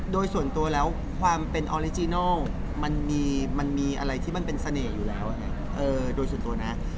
โดยส่วนตัวแล้วความเป็นต่างมันมีอะไรที่มันเป็นเสน่ห์อยู่แล้ว